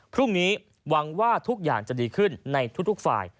พรุ่งนี้หวังว่าทุกอย่างจะดีขึ้นในทุกฝ่าย